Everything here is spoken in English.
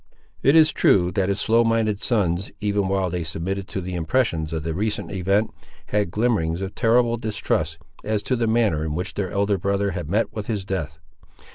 It is true that his slow minded sons, even while they submitted to the impressions of the recent event, had glimmerings of terrible distrusts, as to the manner in which their elder brother had met with his death.